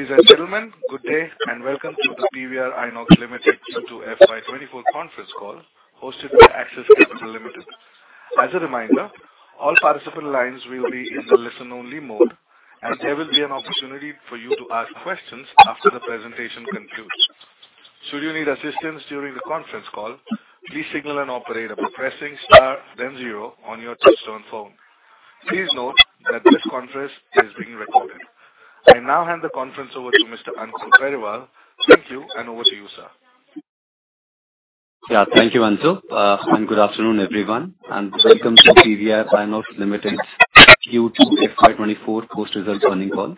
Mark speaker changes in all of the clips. Speaker 1: Ladies and gentlemen, good day, and welcome to the PVR INOX Limited Q2 FY 2024 conference call, hosted by Axis Capital Limited. As a reminder, all participant lines will be in the listen-only mode, and there will be an opportunity for you to ask questions after the presentation concludes. Should you need assistance during the conference call, please signal an operator by pressing Star, then zero on your touchtone phone. Please note that this conference is being recorded. I now hand the conference over to Mr. Anshul Periwal. Thank you, and over to you, sir.
Speaker 2: Yeah. Thank you, Anshul, and good afternoon, everyone, and welcome to PVR INOX Limited Q2 FY 2024 post-results earnings call.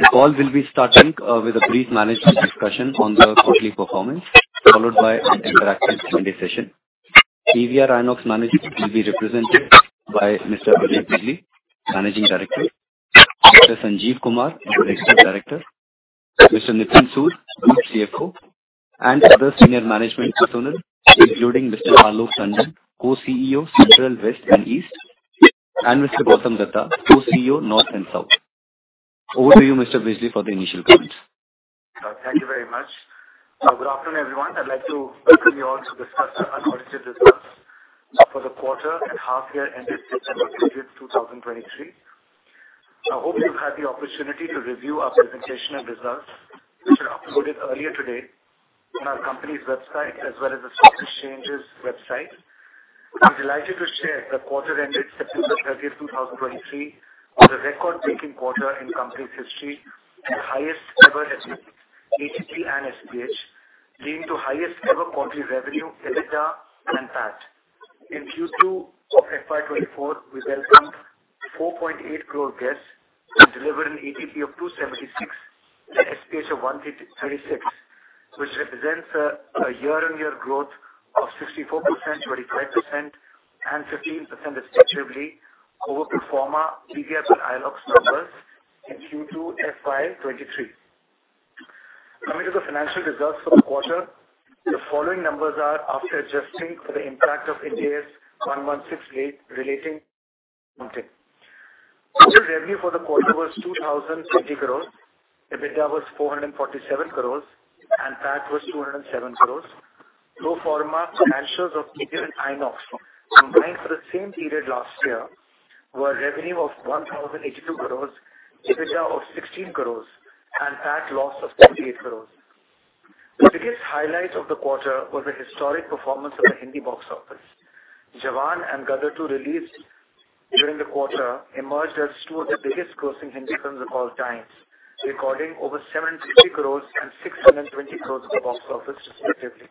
Speaker 2: The call will be starting with a brief management discussion on the quarterly performance, followed by an interactive Q&A session. PVR INOX management will be represented by Mr. Ajay Bijli, Managing Director, Mr. Sanjeev Kumar, Executive Director, Mr. Nitin Sood, Group CFO, and other senior management personnel, including Mr. Alok Tandon, co-CEO, Central, West, and East, and Mr. Gautam Dutta, co-CEO, North and South. Over to you, Mr. Bijli, for the initial comments.
Speaker 3: Thank you very much. Good afternoon, everyone. I'd like to welcome you all to discuss our unaudited results for the quarter and half year ended September 30, 2023. I hope you've had the opportunity to review our presentation and results, which were uploaded earlier today on our company's website as well as the stock exchange's website. I'm delighted to share the quarter ended September 30, 2023, was a record-breaking quarter in company's history and highest ever ATP and SPH, leading to highest ever quarterly revenue, EBITDA and PAT. In Q2 of FY 2024, we welcomed 4.8 crore guests and delivered an ATP of 276 and SPH of 136, which represents a year-on-year growth of 64%, 25%, and 15%, respectively, over pro forma PVR and INOX numbers in Q2 FY 2023. Coming to the financial results for the quarter, the following numbers are after adjusting for the impact of Ind AS 116 relating. Total revenue for the quarter was 2,020 crore. EBITDA was 447 crore, and PAT was 207 crore. Pro forma financials of PVR and INOX combined for the same period last year were revenue of 1,082 crore, EBITDA of 16 crore, and PAT loss of 78 crore. The biggest highlight of the quarter was the historic performance of the Hindi box office. Jawan and Gadar 2, released during the quarter, emerged as two of the biggest grossing Hindi films of all times, recording over 760 crore and 620 crore at the box office, respectively.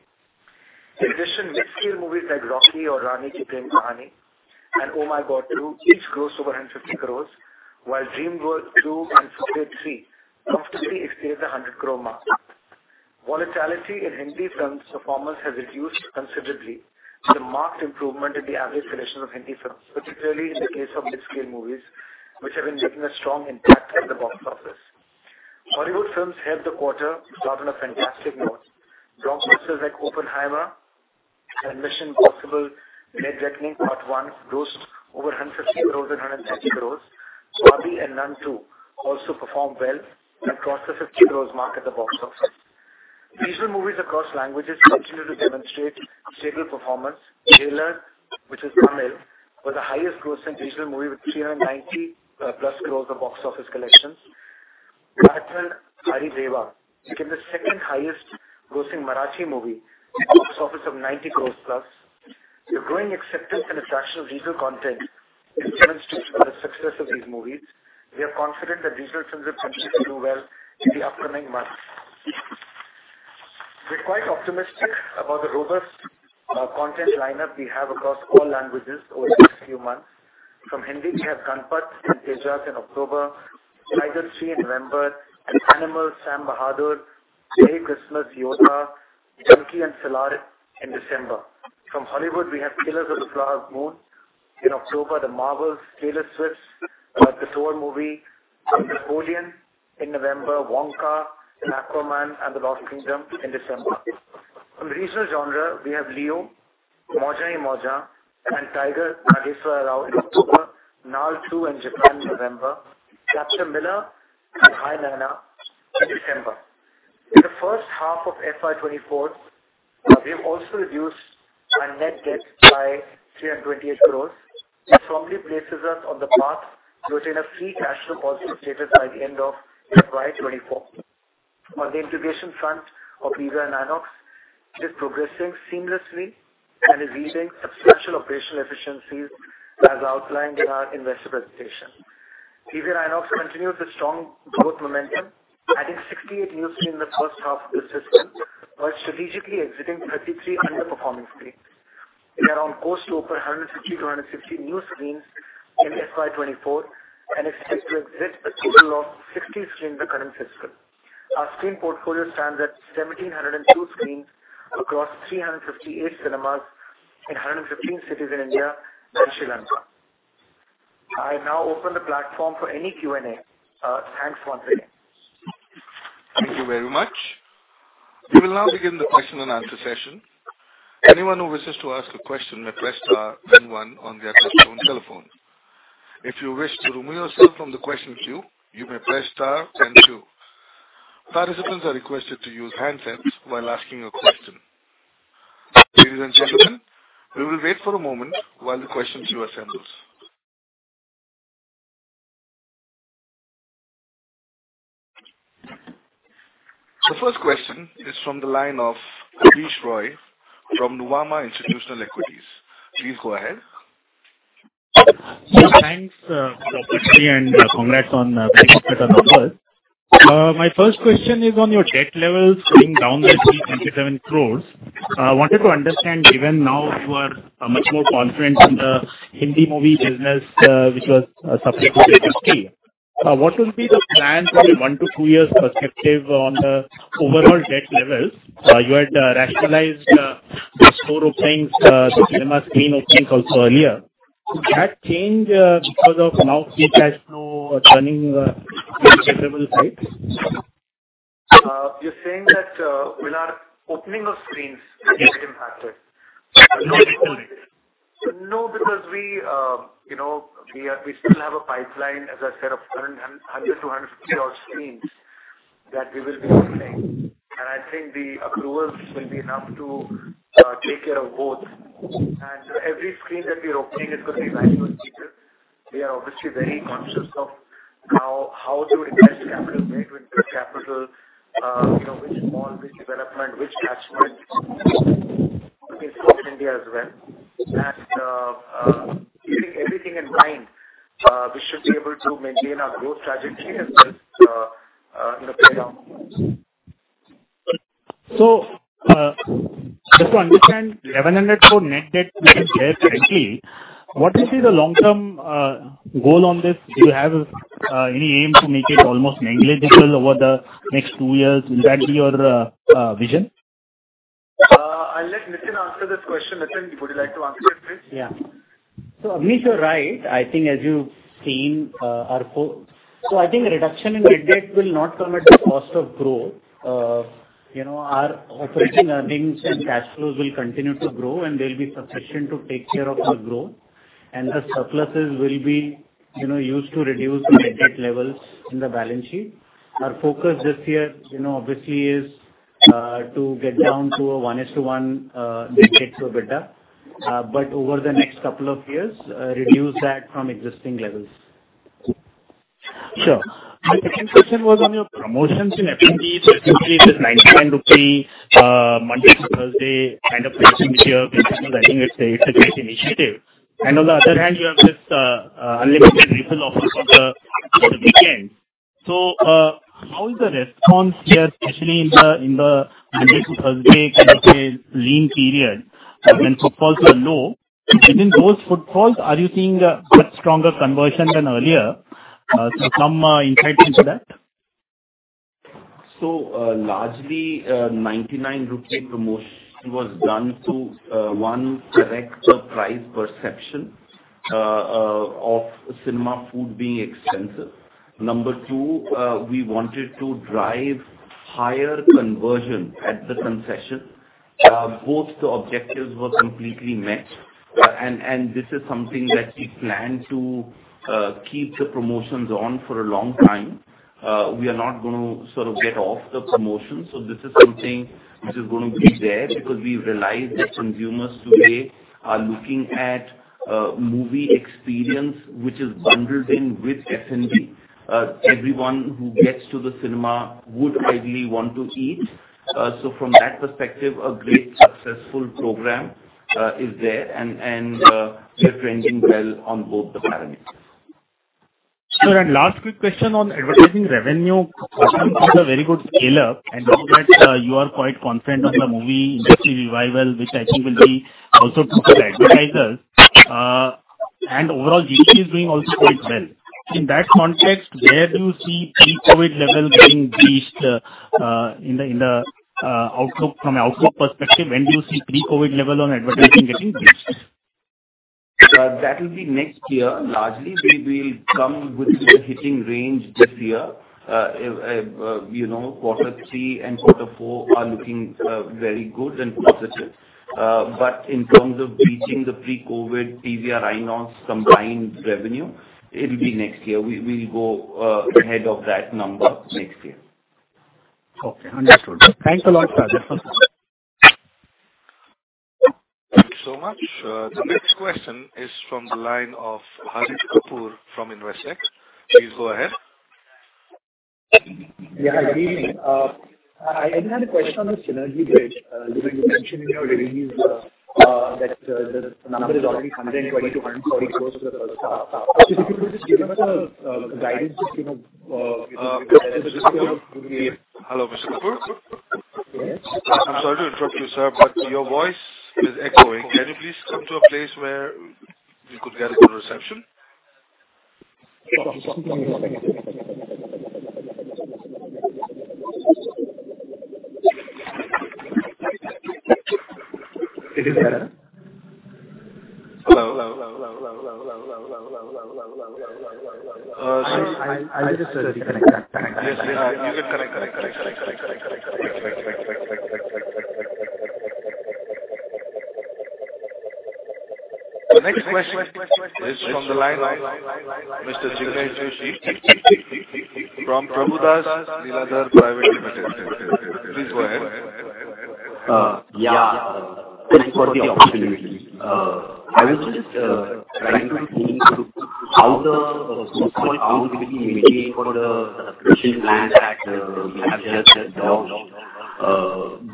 Speaker 3: In addition, mid-scale movies like Rocky Aur Rani Kii Prem Kahaani and Oh My God 2, each grossed over 150 crore, while Dream Girl 2 and Fukrey 3 comfortably exceeded the 100 crore mark. Volatility in Hindi films' performance has reduced considerably with a marked improvement in the average collection of Hindi films, particularly in the case of mid-scale movies, which have been making a strong impact at the box office. Hollywood films helped the quarter start on a fantastic note. Blockbusters like Oppenheimer and Mission: Impossible – Dead Reckoning Part One grossed over 150 crore and 130 crore. Barbie and The Nun II also performed well and crossed the 50 crore mark at the box office. Regional movies across languages continue to demonstrate stable performance. Jailer, which is Tamil, was the highest grossing regional movie, with 390+ crores of box office collections. Baipan Bhaari Deva became the second-highest grossing Marathi movie, box office of 90 crores plus. The growing acceptance and attraction of regional content is demonstrated by the success of these movies. We are confident that regional films will continue to do well in the upcoming months. We're quite optimistic about the robust content lineup we have across all languages over the next few months. From Hindi, we have Ganapath and Tejas in October, Tiger 3 in November, and Animal, Sam Bahadur, Merry Christmas, Yodha, Dunki and Salaar in December. From Hollywood, we have Killers of the Flower Moon in October, The Marvels, Taylor Swift's The Tour movie, Napoleon in November, Wonka, and Aquaman and the Lost Kingdom in December. From the regional genre, we have Leo, Maujaan Hi Maujaan, and Tiger Nageswara Rao in October, Naal 2, and Japan in November, Captain Miller and Hi Nanna in December. In the first half of FY 2024, we have also reduced our net debt by 328 crore. This firmly places us on the path to attain a free cash flow positive status by the end of FY 2024. On the integration front of PVR and INOX, it is progressing seamlessly and is leading to substantial operational efficiencies, as outlined in our investor presentation. PVR INOX continues its strong growth momentum, adding 68 new screens in the first half of the system, while strategically exiting 33 underperforming screens. We are on course to open 150-160 new screens in FY 2024 and expect to exit a total of 60 screens in the current fiscal. Our screen portfolio stands at 1,702 screens across 358 cinemas in 115 cities in India and Sri Lanka. I now open the platform for any Q&A. Thanks once again.
Speaker 1: Thank you very much. We will now begin the question and answer session. Anyone who wishes to ask a question may press star then one on their touchtone telephone. If you wish to remove yourself from the question queue, you may press star then two. Participants are requested to use handsets while asking a question. Ladies and gentlemen, we will wait for a moment while the question queue assembles. The first question is from the line of Abneesh Roy from Nuvama Institutional Equities. Please go ahead.
Speaker 4: Thanks, and congrats on very good numbers. My first question is on your debt levels coming down by 307 crore. I wanted to understand, given now you are much more confident in the Hindi movie business, which was subsequently 50. What will be the plan for the one to two years perspective on the overall debt levels? You had rationalized these four openings, the cinema screen opening also earlier. Would that change, because of now it has no turning profitable sites?
Speaker 3: You're saying that we are opening of screens get impacted?
Speaker 4: Yes.
Speaker 3: No, because we, you know, we, we still have a pipeline, as I said, of 100-150 odd screens that we will be opening. And I think the accruals will be enough to take care of both. And every screen that we are opening is going to be rational feature. We are obviously very conscious of how, how to invest capital, where to invest capital, you know, which mall, which development, which catchment in India as well. And, keeping everything in mind, we should be able to maintain our growth strategy as well as, you know, pay down.
Speaker 4: So, just to understand, 1,100 for net debt actually, what is the long-term goal on this? Do you have any aim to make it almost negligible over the next two years? Will that be your vision?
Speaker 3: I'll let Nitin answer this question. Nitin, would you like to answer it, please?
Speaker 5: Yeah. So, Abneesh, you're right. I think as you've seen, our quote. So I think a reduction in net debt will not come at the cost of growth. You know, our operating earnings and cash flows will continue to grow, and they'll be sufficient to take care of our growth. And the surpluses will be, you know, used to reduce the net debt levels in the balance sheet. Our focus this year, you know, obviously, is to get down to a 1:1 debt to EBITDA. But over the next couple of years, reduce that from existing levels.
Speaker 4: Sure. My second question was on your promotions in F&B, specifically, this Rs. 99 Monday to Thursday kind of promotion here, because I think it's a great initiative. And on the other hand, you have this unlimited refill offer for the weekend. So, how is the response here, especially in the Monday to Thursday kind of a lean period, when footfalls are low? Even those footfalls, are you seeing a much stronger conversion than earlier? So some insight into that.
Speaker 6: So, largely, Rs.99 promotion was done to, one, correct the price perception, of cinema food being expensive. Number two, we wanted to drive higher conversion at the concession. Both the objectives were completely met, and, and this is something that we plan to, keep the promotions on for a long time. We are not going to sort of get off the promotions. So this is something which is going to be there, because we've realized that consumers today are looking at, movie experience, which is bundled in with F&B. Everyone who gets to the cinema would ideally want to eat. So from that perspective, a great successful program, is there and, and, we're trending well on both the parameters.
Speaker 4: Then last quick question on advertising revenue. I think it's a very good scale-up, and now that you are quite confident on the movie industry revival, which I think will be also good for advertisers, and overall, GT is doing also quite well. In that context, where do you see pre-COVID level getting reached in the outlook, from an outlook perspective, when do you see pre-COVID level on aadvertising getting breached?
Speaker 3: That will be next year. Largely, we, we'll come within the hitting range this year. You know, quarter three and quarter four are looking very good and positive. But in terms of reaching the pre-COVID PVR INOX combined revenue, it will be next year. We, we'll go ahead of that number next year.
Speaker 4: Okay, understood. Thanks a lot, Raja.
Speaker 1: Thank you so much. The next question is from the line of Harit Kapoor from Investec. Please go ahead.
Speaker 7: Yeah, good evening. I had a question on the synergy bridge. You mentioned in your release that the number is already 120 crores- 140 crores for the first half. So if you could just give us a guidance, just, you know,
Speaker 1: Hello, Mr. Kapoor?
Speaker 7: Yes.
Speaker 1: I'm sorry to interrupt you, sir, but your voice is echoing. Can you please come to a place where you could get a good reception?
Speaker 7: It is better?
Speaker 6: I'll just reconnect.
Speaker 1: Yes, yeah, you can connect. The next question is from the line of Mr. Jinesh Joshi, from Prabhudas Lilladher Private Limited. Please go ahead.
Speaker 8: Yeah, thanks for the opportunity. I was just trying to think through how the footfall count will be maintained for the subscription plan that you have just launched.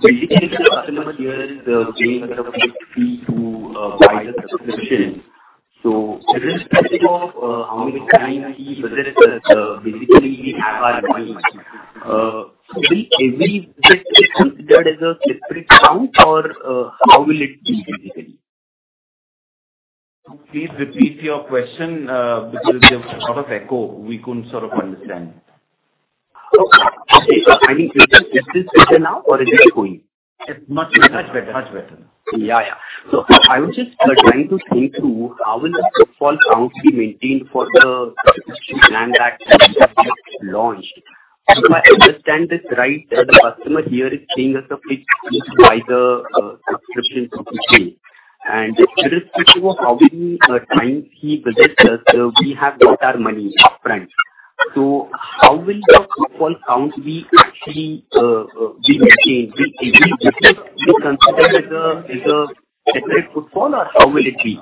Speaker 8: Basically, the customer here is paying a fixed fee to buy the subscription. So irrespective of how many times he visits us, basically we have our money. Will every visit be considered as a separate count or how will it be basically?
Speaker 5: Please repeat your question, because there was a lot of echo. We couldn't sort of understand.
Speaker 8: Okay. I mean, is it better now or is it echoing?
Speaker 5: It's much, much better. Much better.
Speaker 8: Yeah, yeah. So I was just trying to think through how will the footfall count be maintained for the subscription plan that you have just launched? If I understand this right, the customer here is paying us a fixed fee to buy the subscription to the chain. And irrespective of how many times he visits us, we have got our money upfront. So how will the footfall count be actually maintained? Will every visit be considered as a separate footfall, or how will it be?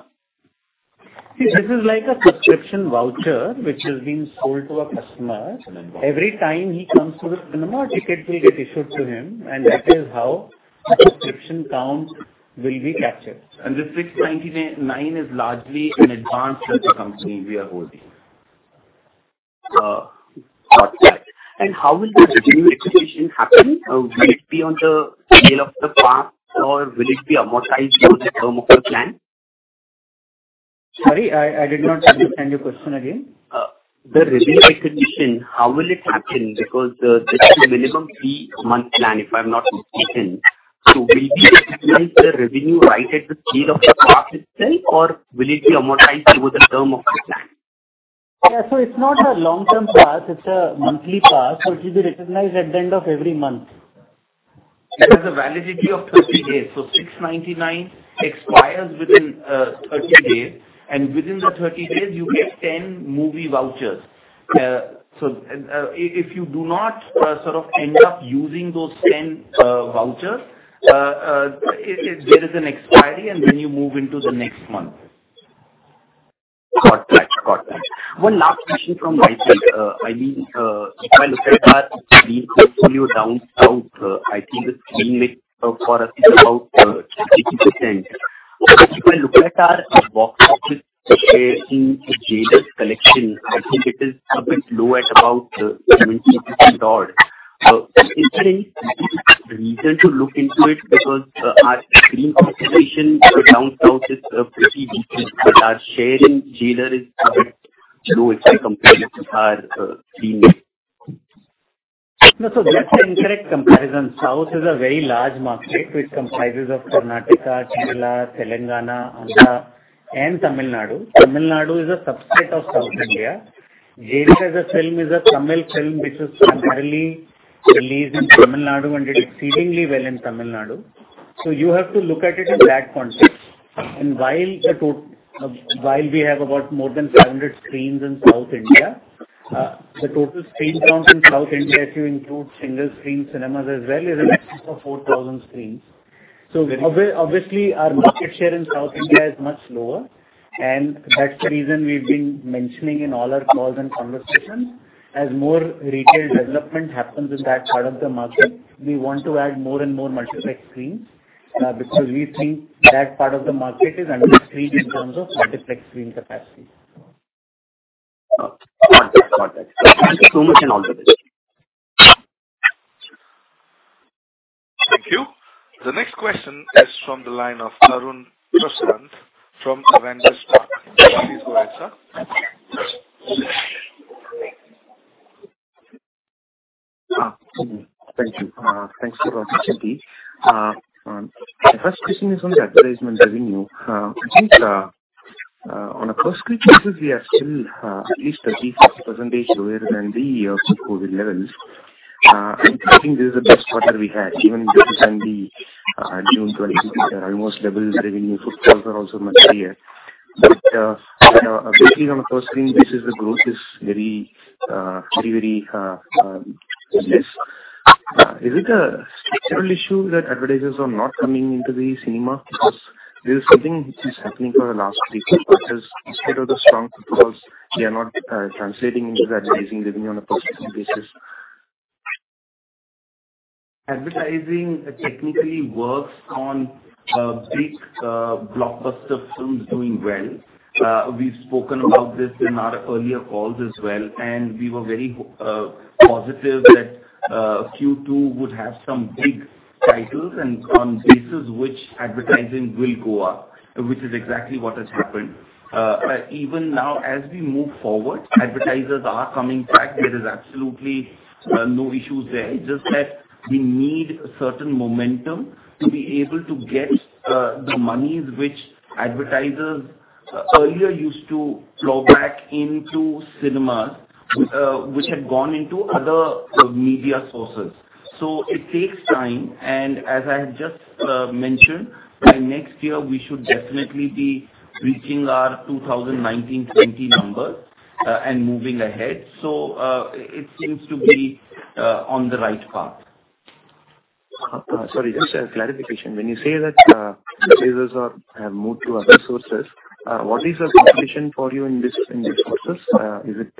Speaker 5: This is like a subscription voucher which is being sold to a customer. Every time he comes to the cinema, a ticket will get issued to him, and that is how the subscription count will be captured. And the 699 is largely an advance with the company we are holding.
Speaker 8: Got that. And how will the revenue recognition happen? Will it be on the scale of the pass, or will it be amortized over the term of the plan?
Speaker 5: Sorry, I did not understand your question again.
Speaker 8: The revenue recognition, how will it happen? Because, this is a minimum three-month plan, if I'm not mistaken. So will we recognize the revenue right at the scale of the pass itself, or will it be amortized over the term of the plan?
Speaker 5: Yeah. So it's not a long-term pass, it's a monthly pass, so it will be recognized at the end of every month.
Speaker 6: It has a validity of 30 days. So 699 expires within 30 days, and within the 30 days, you get 10 movie vouchers. If you do not sort of end up using those 10 vouchers, there is an expiry, and then you move into the next month.
Speaker 8: Got that. Got that. One last question from my end. I mean, if I look at our screen portfolio down South, I think the screen mix for us is about 60%. If I look at our box office share in Jailer's collection, I think it is a bit low at about 20% or... Is there any specific reason to look into it? Because our screen concentration down South is pretty decent, but our share in Jailer is a bit low if I compare it with our screen mix?
Speaker 5: No, so that's an incorrect comparison. South is a very large market, which comprises of Karnataka, Kerala, Telangana, Andhra, and Tamil Nadu. Tamil Nadu is a subset of South India. Jailer, as a film, is a Tamil film which was primarily released in Tamil Nadu and did exceedingly well in Tamil Nadu. So you have to look at it in that context. And while we have about more than 700 screens in South India, the total screen count in South India, if you include single-screen cinemas as well, is in excess of 4,000 screens. So obviously, our market share in South India is much lower, and that's the reason we've been mentioning in all our calls and conversations. As more retail development happens in that part of the market, we want to add more and more multiplex screens, because we think that part of the market is under-screened in terms of multiplex screen capacity.
Speaker 8: Okay. Got that. Got that. Thank you so much and all the best.
Speaker 1: Thank you. The next question is from the line of Arun Prasath from Avendus Spark. Please go ahead, sir.
Speaker 9: Thank you. Thanks for the opportunity. The first question is on the advertisement revenue. I think, on a per-screen basis, we are still, at least 30% lower than the, pre-COVID levels. I think this is the best quarter we had, even recently, June 2022, almost double revenue, footfalls are also much higher. But, basically, on a per-screen basis, the growth is very, very, very, less. Is it a structural issue that advertisers are not coming into the cinema? Because this is something which is happening for the last three, four quarters. Instead of the strong footfalls, they are not, translating into the advertising revenue on a per-screen basis.
Speaker 6: Advertising technically works on big blockbuster films doing well. We've spoken about this in our earlier calls as well, and we were very positive that Q2 would have some big titles and on bases which advertising will go up, which is exactly what has happened. Even now, as we move forward, advertisers are coming back. There is absolutely no issues there. It's just that we need a certain momentum to be able to get the monies which advertisers earlier used to flow back into cinemas, which had gone into other media sources. So it takes time, and as I have just mentioned, by next year, we should definitely be reaching our 2019-2020 numbers and moving ahead. So it seems to be on the right path.
Speaker 9: Sorry, just a clarification. When you say that, advertisers are, have moved to other sources, what is the competition for you in this, in these sources? Is it-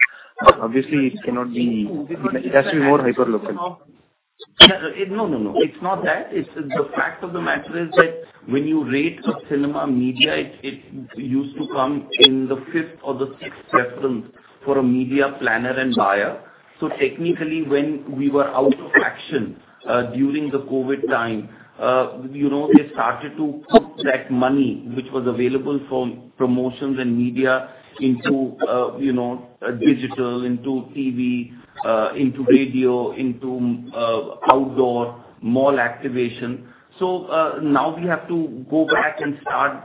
Speaker 9: obviously, it cannot be, it has to be more hyperlocal.
Speaker 6: No, no, no. It's not that. It's, the fact of the matter is that when you rate a cinema media, it, it used to come in the fifth or the sixth preference for a media planner and buyer. So technically, when we were out of action, during the COVID time, you know, they started to put that money which was available for promotions and media into, you know, digital, into TV, into radio, into, outdoor mall activation. So, now we have to go back and start,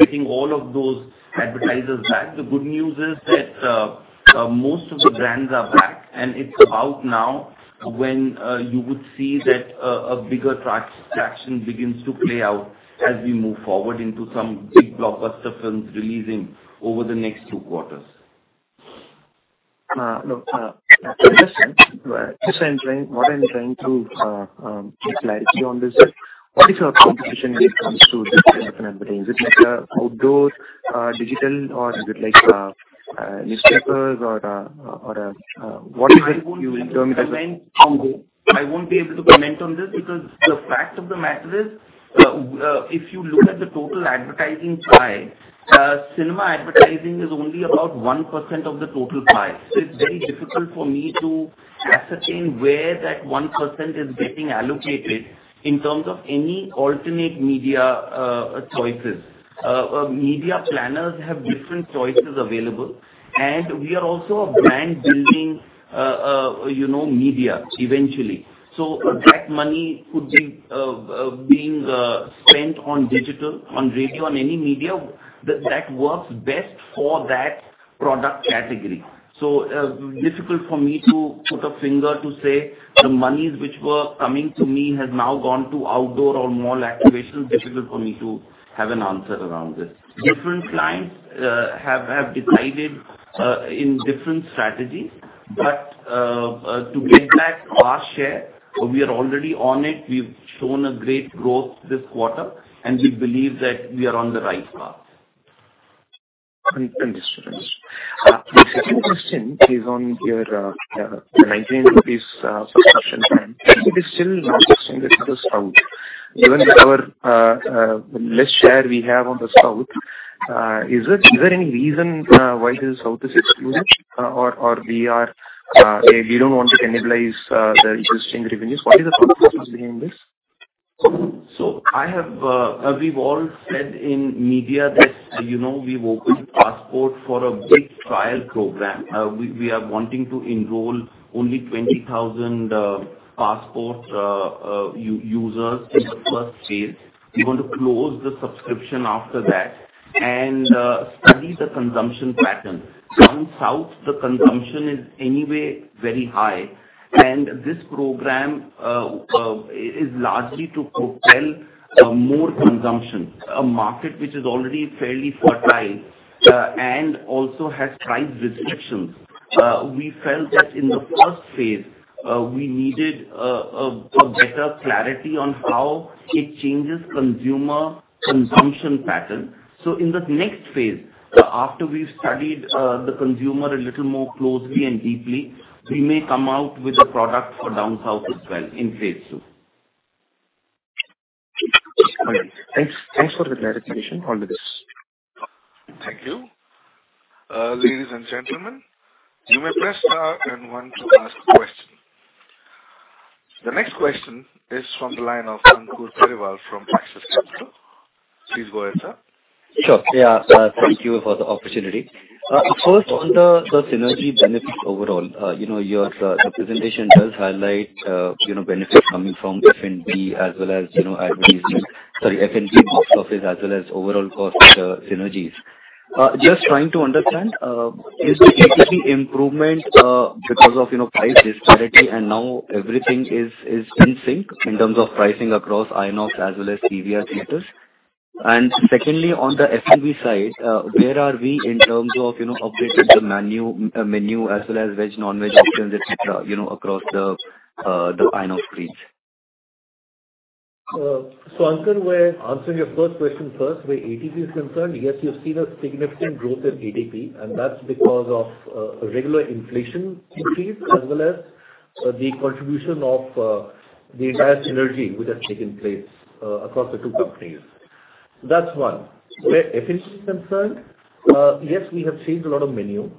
Speaker 6: getting all of those advertisers back. The good news is that, most of the brands are back, and it's out now when, you would see that, a bigger traction begins to play out as we move forward into some big blockbuster films releasing over the next two quarters.
Speaker 9: Look, just, just I'm trying, what I'm trying to get clarity on is that, what is your competition when it comes to this type of advertising? Is it like, outdoor, digital, or is it like, newspapers or, or, what is it you determine as-
Speaker 6: I won't be able to comment on this because the fact of the matter is, if you look at the total advertising pie, cinema advertising is only about 1% of the total pie. So it's very difficult for me to ascertain where that 1% is getting allocated in terms of any alternate media choices. Media planners have different choices available, and we are also a brand building, you know, media eventually. So that money could be being spent on digital, on radio, on any media that works best for that product category. So, difficult for me to put a finger to say the monies which were coming to me has now gone to outdoor or mall activation. Difficult for me to have an answer around this. Different clients have decided in different strategies, but to get back our share, we are already on it. We've shown a great growth this quarter, and we believe that we are on the right path.
Speaker 9: Understood. My second question is on your Rs. 99 subscription plan. It is still not extended to the South. Given that our less share we have on the South, is it, is there any reason why the South is excluded? Or, or we are, we don't want to cannibalize the existing revenues. What is the thought process behind this?
Speaker 6: So I have, we've all said in media that, you know, we've opened Passport for a big trial program. We are wanting to enroll only 20,000 Passport users in the first phase. We want to close the subscription after that and study the consumption pattern. Down South, the consumption is anyway very high, and this program is largely to propel more consumption. A market which is already fairly fertile, and also has price restrictions. We felt that in the first phase, we needed a better clarity on how it changes consumer consumption pattern. So in the next phase, after we've studied the consumer a little more closely and deeply, we may come out with a product for Down South as well in phase II.
Speaker 9: All right. Thanks, thanks for the clarification on this.
Speaker 1: Thank you. Ladies and gentlemen, you may press star and one to ask a question. The next question is from the line of Ankur Periwal from Axis Capital. Please go ahead, sir.
Speaker 2: Sure. Yeah. Thank you for the opportunity. First, on the synergy benefits overall, you know, your presentation does highlight, you know, benefits coming from F&B as well as, you know, advertising. Sorry, F&B box office as well as overall cost synergies. Just trying to understand, is the efficiency improvement because of, you know, price disparity and now everything is in sync in terms of pricing across INOX as well as PVR theaters? And secondly, on the F&B side, where are we in terms of, you know, updating the menu as well as veg, non-veg options, et cetera, you know, across the INOX screens?
Speaker 10: So Ankur, we're answering your first question first. Where ATP is concerned, yes, you've seen a significant growth in ATP, and that's because of, regular inflation increase, as well as, the contribution of, the entire synergy which has taken place, across the two companies. That's one. Where efficiency is concerned, yes, we have changed a lot of menu.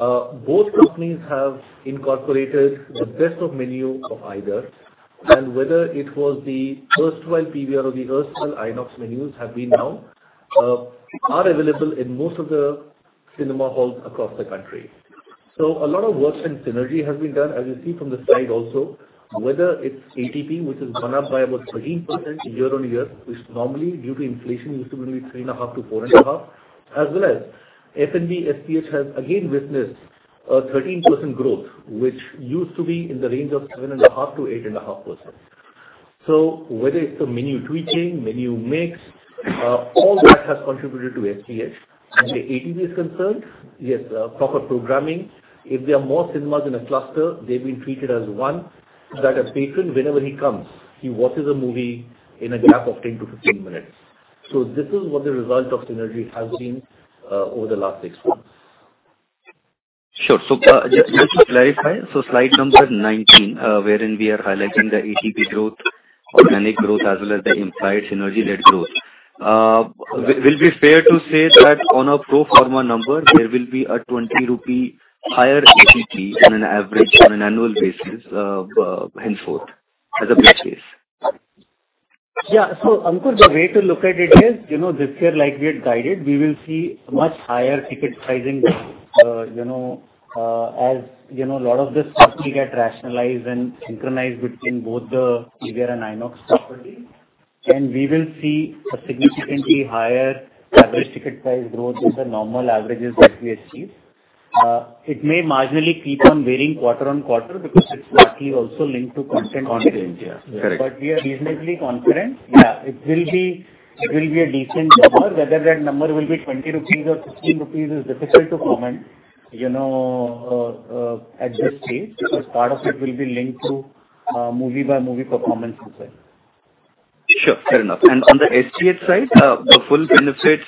Speaker 10: Both companies have incorporated the best of menu of either, and whether it was the first twelve PVR or the first twelve INOX menus have been now, are available in most of the cinema halls across the country. So a lot of work and synergy has been done, as you see from the slide also. Whether it's ATP, which has gone up by about 13% year-on-year, which normally due to inflation, used to be between 3.5%-4.5%. As well as F&B, STH has again witnessed a 13% growth, which used to be in the range of 7.5%-8.5%. So whether it's the menu tweaking, menu mix, all that has contributed to STH. As the ATP is concerned, yes, proper programming. If there are more cinemas in a cluster, they've been treated as one, so that a patron, whenever he comes, he watches a movie in a gap of 10-15 minutes. So this is what the result of synergy has been, over the last six months.
Speaker 2: Sure. So, just to clarify, so slide number 19, wherein we are highlighting the ATP growth, organic growth, as well as the implied synergy net growth. Will be fair to say that on a profarma number, there will be a Rs. 20 higher ATP on an average, on an annual basis, henceforth, as a base case?
Speaker 5: Yeah. So, Ankur, the way to look at it is, you know, this year, like we had guided, we will see much higher ticket pricing, you know, as, you know, a lot of this stuff will get rationalized and synchronized between both the PVR and INOX properties. And we will see a significantly higher average ticket price growth than the normal averages that we achieve. It may marginally keep on varying quarter-on-quarter, because it's largely also linked to content.
Speaker 2: Content, yeah. Correct.
Speaker 5: But we are reasonably confident. Yeah, it will be, it will be a decent number. Whether that number will be Rs. 20 or 15 is difficult to comment, you know, at this stage, because part of it will be linked to, movie by movie performance as well.
Speaker 2: Sure, fair enough. And on the STH side, the full benefits,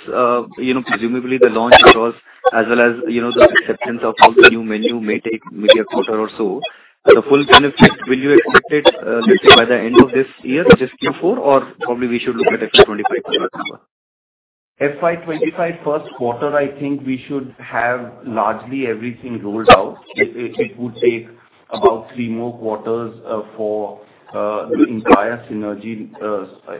Speaker 2: you know, presumably the launch across, as well as, you know, the acceptance of all the new menu may take maybe a quarter or so. The full benefit, will you expect it, let's say by the end of this year, just Q4, or probably we should look at FY 2025 number?
Speaker 6: FY 2025 first quarter, I think we should have largely everything rolled out. It would take about three more quarters for the entire synergy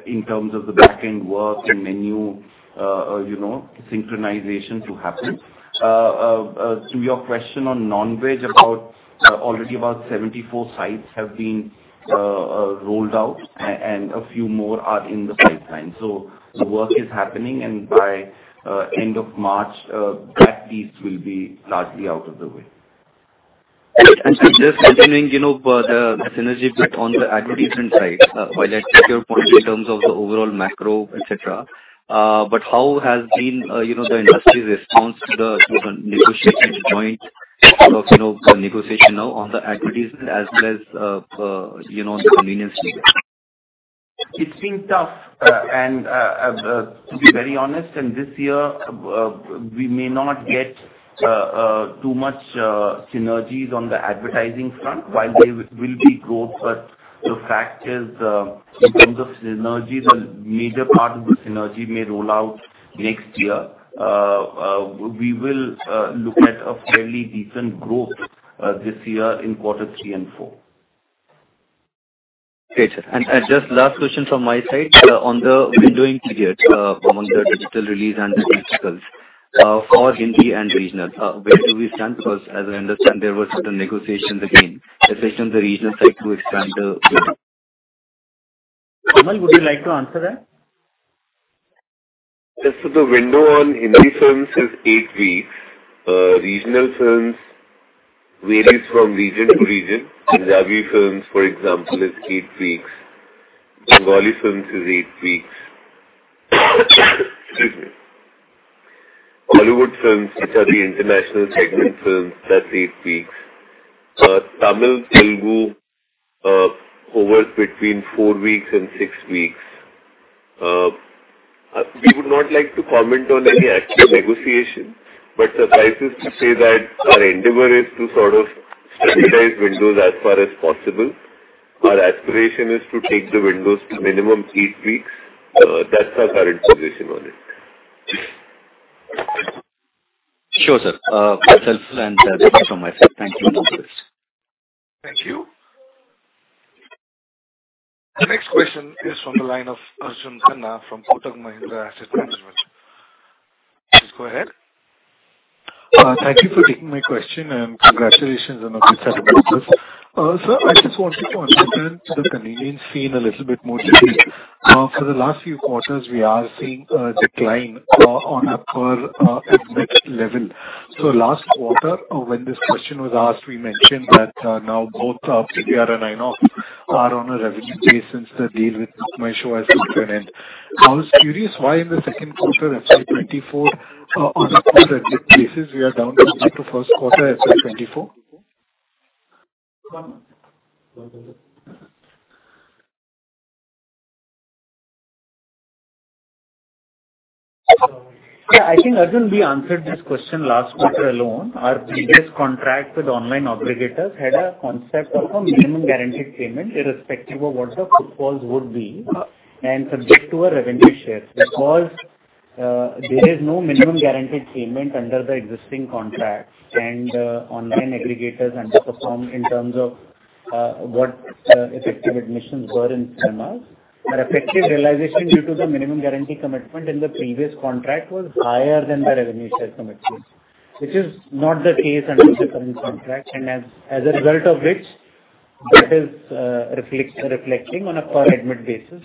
Speaker 6: in terms of the back-end work and menu, you know, synchronization to happen. To your question on non-veg, already about 74 sites have been rolled out, and a few more are in the pipeline. So the work is happening, and by end of March, that piece will be largely out of the way.
Speaker 2: Just continuing, you know, the synergy bit on the advertisement side, while I take your point in terms of the overall macro, et cetera. But how has been, you know, the industry's response to the negotiation point of, you know, the negotiation now on the advertisement as well as, you know, the convenience fee bit?
Speaker 6: It's been tough, and to be very honest, and this year, we may not get too much synergies on the advertising front. While there will be growth, but the fact is, in terms of synergies, a major part of the synergy may roll out next year. We will look at a fairly decent growth this year in quarter three and four.
Speaker 2: Great, sir. And just last question from my side. On the windowing period, among the digital release and the theatricals, for Hindi and regional, where do we stand? Because as I understand, there were certain negotiations again, especially on the regional side, to expand the window?
Speaker 5: Kamal, would you like to answer that?
Speaker 11: Yes, so the window on Hindi films is eight weeks. Regional films varies from region to region. Punjabi films, for example, is eight weeks. Bengali films is eight weeks. Excuse me. Hollywood films, which are the international segment films, that's eight weeks. Tamil, Telugu, hovers between four weeks and six weeks. We would not like to comment on any actual negotiation, but suffice it to say that our endeavor is to sort of standardize windows as far as possible. Our aspiration is to take the windows to minimum eight weeks. That's our current position on it.
Speaker 2: Sure, Sir. That is helpful and that is it from my side. Thank you and all the best.
Speaker 1: Thank you. The next question is from the line of Arjun Khanna from Kotak Mahindra Asset Management. Please go ahead.
Speaker 12: Thank you for taking my question, and congratulations on the results. Sir, I just want to understand the convenience fee a little bit more clearly. For the last few quarters, we are seeing a decline on a per admit level. So last quarter, when this question was asked, we mentioned that now both PVR and INOX are on a revenue basis, the deal with BookMyShow has come to an end. I was curious, why in the second quarter of FY 2024 on a per admit basis, we are down compared to first quarter FY 2024?
Speaker 5: Yeah, I think, Arjun, we answered this question last quarter alone. Our previous contract with online aggregators had a concept of a minimum guaranteed payment, irrespective of what the footfalls would be, and subject to a revenue share. Because, there is no minimum guaranteed payment under the existing contract, and, online aggregators underperform in terms of, what, effective admissions were in cinemas. Our effective realization due to the minimum guarantee commitment in the previous contract was higher than the revenue share commitment, which is not the case under the current contract, and as a result of which. That is, reflecting on a per admit basis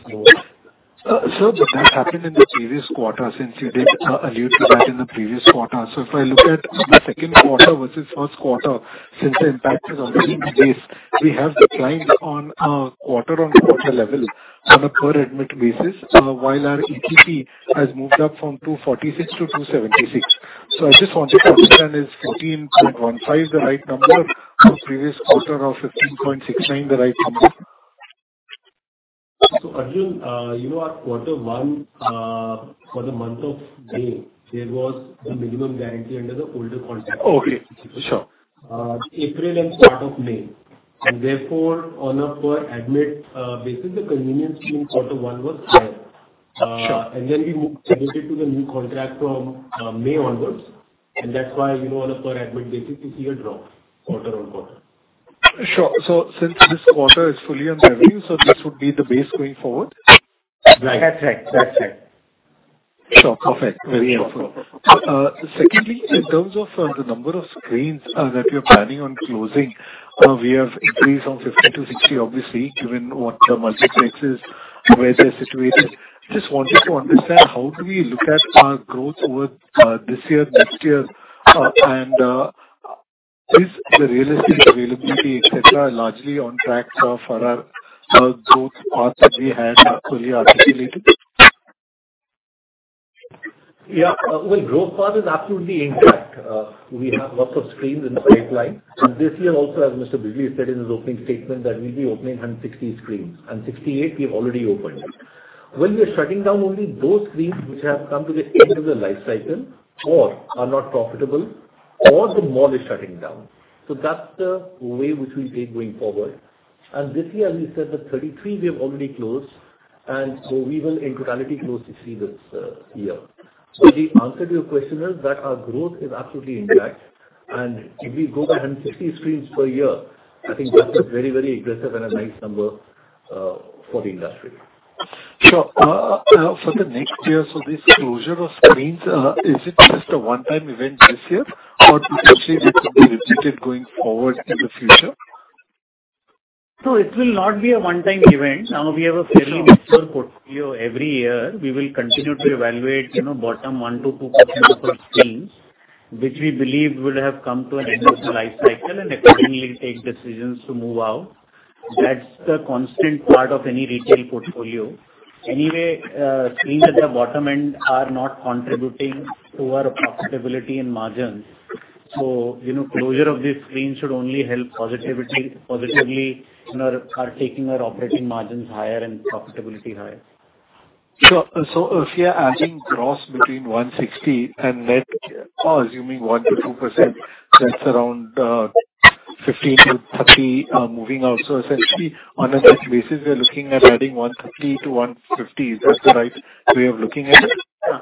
Speaker 5: lower.
Speaker 12: Sir, but that happened in the previous quarter, since you did allude to that in the previous quarter. So if I look at the second quarter versus first quarter, since the impact is already in the base, we have declined on a quarter-on-quarter level on a per admit basis, while our ATP has moved up from 246 to 276. So I just wanted to understand, is 15.15 the right number, or previous quarter of 15.69 the right number?
Speaker 13: Arjun, you know, our quarter one for the month of May, there was a minimum guarantee under the older contract.
Speaker 12: Okay, sure.
Speaker 13: April and start of May, and therefore, on a per admit basis, the convenience in quarter one was there.
Speaker 12: Sure.
Speaker 13: And then we committed to the new contract from May onwards, and that's why, you know, on a per admit basis, you see a drop, quarter-on-quarter.
Speaker 12: Sure. So since this quarter is fully on revenue, so this would be the base going forward?
Speaker 5: That's right. That's right.
Speaker 12: Sure. Perfect. Very helpful. Secondly, in terms of the number of screens that you're planning on closing, we have increased from 50 to 60, obviously, given what the multiplexes, where they're situated. Just wanted to understand, how do we look at our growth over this year, next year? Is the real estate availability, et cetera, largely on track for our growth path that we had clearly articulated?
Speaker 10: Yeah. Well, growth path is absolutely intact. We have lots of screens in the pipeline. And this year also, as Mr. Bijli said in his opening statement, that we'll be opening 160 screens, and 68, we've already opened. When we are shutting down only those screens which have come to the end of their life cycle, or are not profitable, or the mall is shutting down. So that's the way which we take going forward. And this year, we said that 33, we have already closed, and so we will in totality close 60 this year. So the answer to your question is that our growth is absolutely intact, and if we go by 160 screens per year, I think that's a very, very aggressive and a nice number for the industry.
Speaker 12: Sure. For the next year, so this closure of screens, is it just a one-time event this year, or do you see it to be repeated going forward in the future?
Speaker 5: No, it will not be a one-time event. We have a fairly mixed portfolio every year. We will continue to evaluate, you know, bottom 1%-2% of our screens, which we believe would have come to an end of their life cycle, and accordingly take decisions to move out. That's the constant part of any retail portfolio. Anyway, screens at the bottom end are not contributing to our profitability and margins. So you know, closure of these screens should only help positivity, positively, you know, are taking our operating margins higher and profitability higher.
Speaker 12: So, so if you are adding gross between 160 and net, assuming 1%-2%, that's around 15-30 moving out. So essentially, on a net basis, we are looking at adding 130-150. Is that the right way of looking at it?
Speaker 5: Yeah.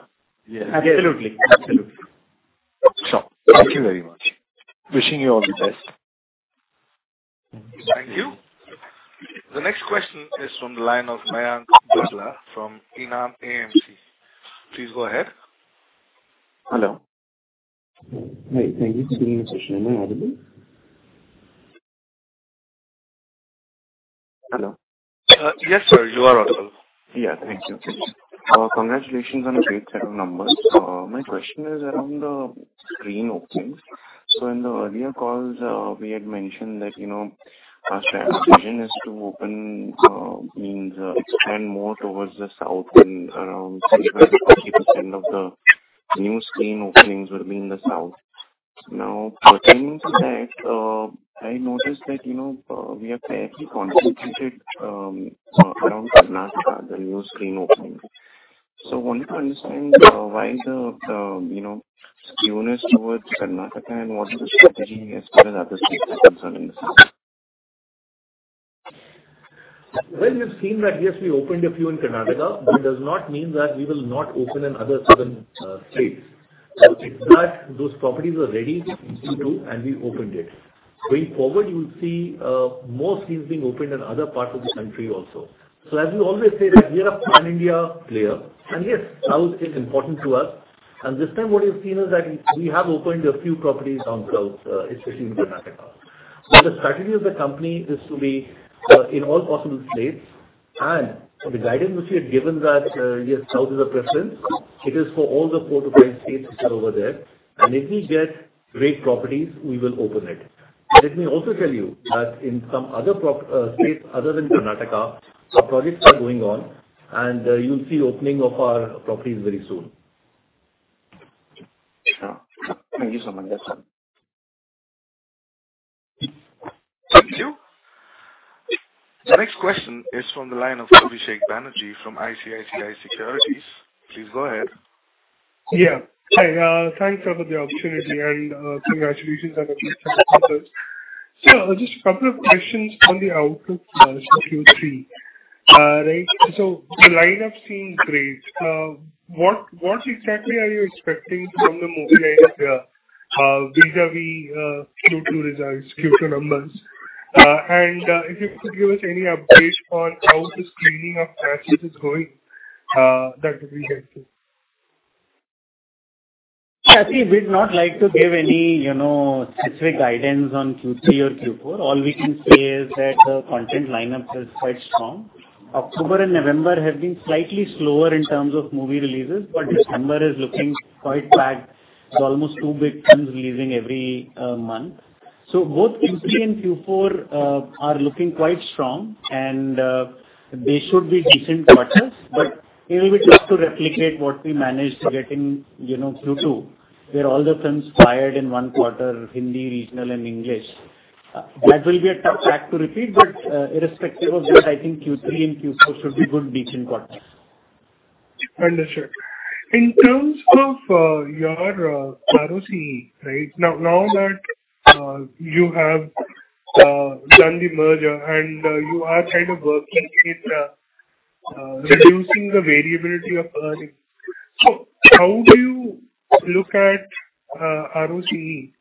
Speaker 13: Yes.
Speaker 5: Absolutely. Absolutely.
Speaker 12: Sure. Thank you very much. Wishing you all the best.
Speaker 1: Thank you. The next question is from the line of Mayank Babla from Enam AMC. Please go ahead.
Speaker 14: Hello. Hi, thank you for doing this session. Am I audible? Hello.
Speaker 1: Yes, sir, you are audible.
Speaker 14: Yeah, thank you. Congratulations on a great set of numbers. My question is around the screen openings. So in the earlier calls, we had mentioned that, you know, our strategy and vision is to open, expand more towards the south and around 60%-50% of the new screen openings will be in the south. Now, pertaining to that, I noticed that, you know, we have fairly concentrated around Karnataka, the new screen openings. So want to understand why the skewness towards Karnataka and what is the strategy as far as other states are concerned in the south?
Speaker 10: Well, you've seen that, yes, we opened a few in Karnataka. That does not mean that we will not open in other southern states. But those properties were ready, and we opened it. Going forward, you'll see more screens being opened in other parts of the country also. So as we always say, that we are a Pan-India player, and yes, south is important to us. And this time what you've seen is that we have opened a few properties down south, especially in Karnataka. But the strategy of the company is to be in all possible states. And the guidance which we had given that, yes, south is a preference, it is for all the four to five states which are over there, and if we get great properties, we will open it. But let me also tell you that in some other states other than Karnataka, our projects are going on, and you'll see opening of our properties very soon.
Speaker 14: Sure. Thank you so much.
Speaker 1: Thank you. The next question is from the line of Abhishek Banerjee from ICICI Securities. Please go ahead.
Speaker 15: Yeah. Hi, thanks for the opportunity and, congratulations on the numbers. So just a couple of questions on the outlook for Q3, right? So the lineup of screens is great. What exactly are you expecting from the movie lineup, vis-à-vis, Q2 results, Q2 numbers? And, if you could give us any update on how the screening of classics is going, that would be helpful.
Speaker 5: I see we'd not like to give any, you know, specific guidance on Q3 or Q4. All we can say is that the content lineup is quite strong. October and November have been slightly slower in terms of movie releases, but December is looking quite packed, so almost two big films releasing every month. So both Q3 and Q4 are looking quite strong and they should be decent quarters, but it will be tough to replicate what we managed to get in, you know, Q2, where all the films fired in one quarter, Hindi, regional, and English. That will be a tough act to repeat, but irrespective of that, I think Q3 and Q4 should be good decent quarters.
Speaker 15: Understood. In terms of your ROCE, right? Now that you have done the merger and you are kind of working with reducing the variability of earnings, so how do you look at ROCE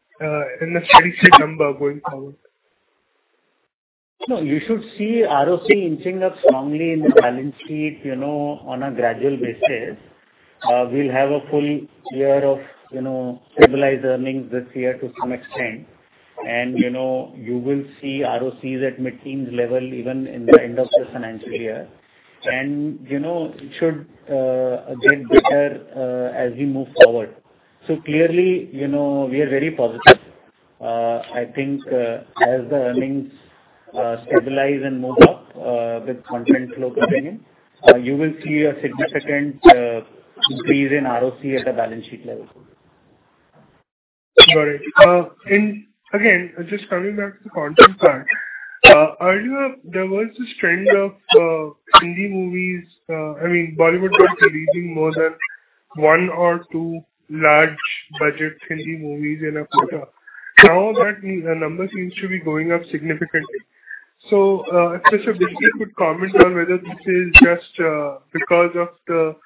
Speaker 15: in the steady state number going forward?
Speaker 5: No, you should see ROCE inching up strongly in the balance sheet, you know, on a gradual basis. We'll have a full year of, you know, stabilized earnings this year to some extent. You know, you will see ROCEs at mid-teens level, even in the end of the financial year. You know, it should get better as we move forward. So clearly, you know, we are very positive. I think, as the earnings stabilize and move up, with content flow coming in, you will see a significant increase in ROCE at the balance sheer level.
Speaker 15: Got it. And again, just coming back to the content side, earlier there was this trend of, Hindi movies, I mean, Bollywood was releasing more than one or two large budget Hindi movies in a quarter. Now that the number seems to be going up significantly. So, if you could comment on whether this is just, because of the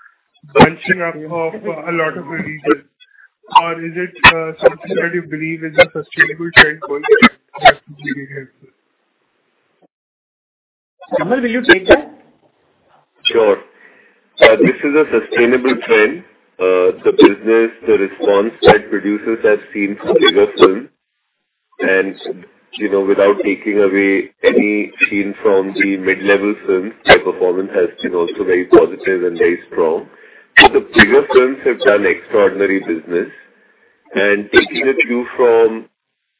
Speaker 15: bunching up of a lot of releases, or is it, something that you believe is a sustainable trend going forward?
Speaker 5: Kamal, will you take that?
Speaker 11: Sure. This is a sustainable trend. The business, the response that producers have seen for bigger films and, you know, without taking away any sheen from the mid-level films, their performance has been also very positive and very strong. But the bigger films have done extraordinary business. And taking a cue from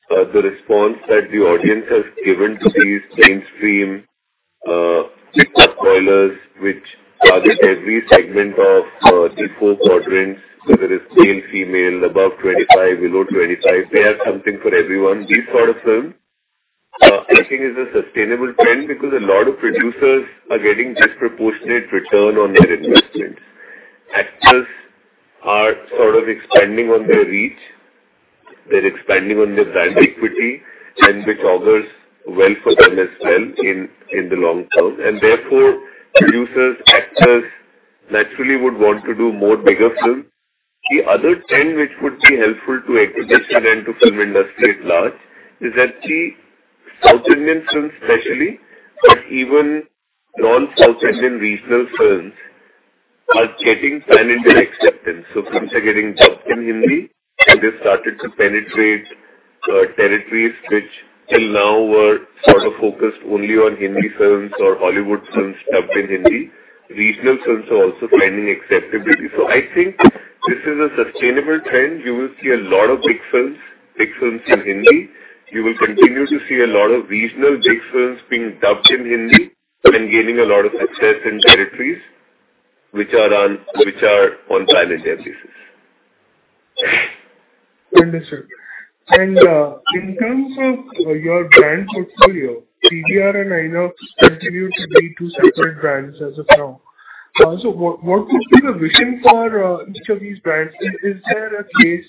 Speaker 11: the response that the audience has given to these mainstream ticket spoilers, which target every segment of the four quadrants, whether it's male, female, above 25, below 25, they are something for everyone. These sort of films, I think is a sustainable trend because a lot of producers are getting disproportionate return on their investments. Actors are sort of expanding on their reach, they're expanding on their brand equity, and which augurs well for them as well in the long term. And therefore, producers, actors, naturally would want to do more bigger films. The other trend, which would be helpful to exhibition and to film industry at large, is that the South Indian films especially, but even non-South Indian regional films, are getting pan-Indian acceptance. So films are getting dubbed in Hindi, and they've started to penetrate territories which till now were sort of focused only on Hindi films or Hollywood films dubbed in Hindi. Regional films are also finding acceptability. So I think this is a sustainable trend. You will see a lot of big films, big films in Hindi. You will continue to see a lot of regional big films being dubbed in Hindi and gaining a lot of success in territories which are on pan-India basis.
Speaker 15: Understood. And, in terms of, your brand portfolio, PVR and INOX continue to be two separate brands as of now. So what would be the vision for, each of these brands? Is there a case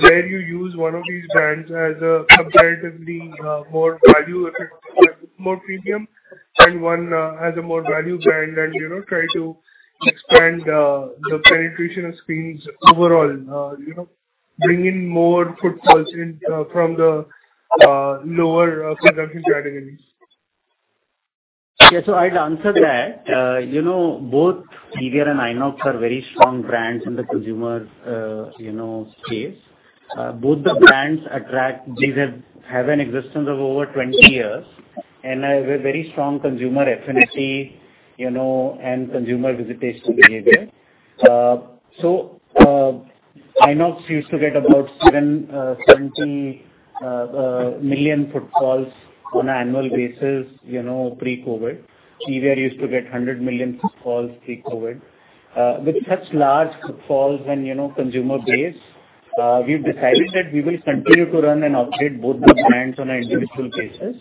Speaker 15: where you use one of these brands as a comparatively, more value effect, more premium, and one, has a more value brand and, you know, try to expand, the penetration of screens overall, you know, bring in more footfalls in, from the, lower, production categories?
Speaker 5: Yeah. So I'd answer that. You know, both PVR and INOX are very strong brands in the consumer, you know, space. Both the brands attract. These have an existence of over 20 years and have a very strong consumer affinity, you know, and consumer visitation behavior. So, INOX used to get about 70 million footfalls on an annual basis, you know, pre-COVID. PVR used to get 100 million footfalls pre-COVID. With such large footfalls and, you know, consumer base, we've decided that we will continue to run and operate both the brands on an individual basis.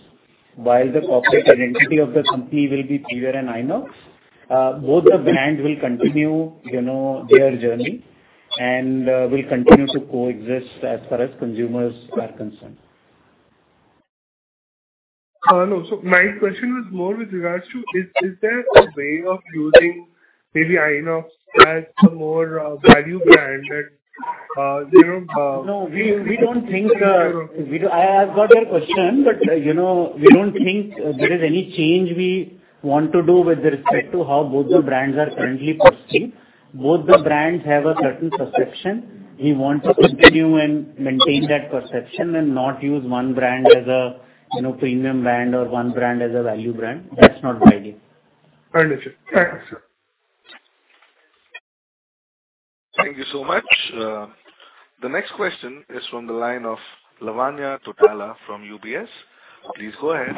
Speaker 5: While the corporate identity of the company will be PVR and INOX, both the brands will continue, you know, their journey and will continue to coexist as far as consumers are concerned.
Speaker 15: No. So my question was more with regards to, is there a way of using maybe INOX as a more value brand that you know?
Speaker 5: No, we don't think. I've got your question, but, you know, we don't think there is any change we want to do with respect to how both the brands are currently posting.
Speaker 16: Both the brands have a certain perception. We want to continue and maintain that perception and not use one brand as a, you know, premium brand or one brand as a value brand. That's not my idea.
Speaker 5: Understood. Thank you, sir.
Speaker 1: Thank you so much. The next question is from the line of Lavanya Tottala from UBS. Please go ahead.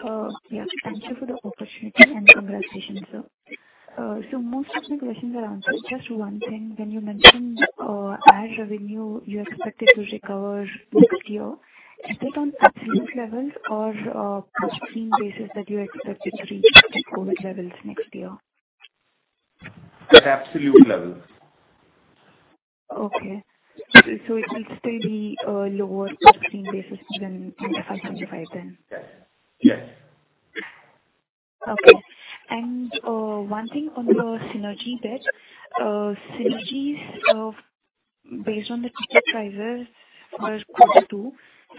Speaker 17: Hello. Yes, thank you for the opportunity, and congratulations, sir. So most of my questions are answered. Just one thing, when you mentioned ad revenue, you expected to recover next year, is it on absolute levels or screen basis that you expected to reach COVID levels next year?
Speaker 6: At absolute levels.
Speaker 17: Okay. So it will still be lower screen basis even in 505 then?
Speaker 16: Yes.
Speaker 17: Okay. And, one thing on the synergy bit, synergies, based on the ticket prices for quarter two,